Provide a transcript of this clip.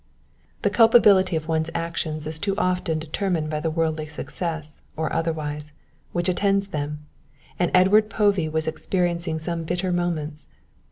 The culpability of one's actions is too often determined by the worldly success, or otherwise, which attends them, and Edward Povey was experiencing some very bitter moments.